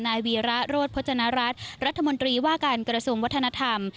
วีระโรธพจนรัฐรัฐรัฐมนตรีว่าการกระทรวงวัฒนธรรม